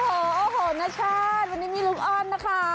โอ้โหนชาติวันนี้มีลูกอ้อนนะคะ